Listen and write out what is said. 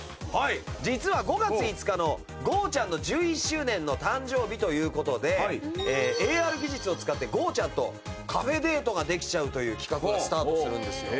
実は５月５日のゴーちゃん。の１１周年の誕生日という事でＡＲ技術を使ってゴーちゃん。とカフェデートができちゃうという企画がスタートするんですよ。